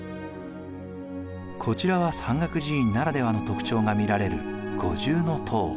こちらは山岳寺院ならではの特徴が見られる五重塔。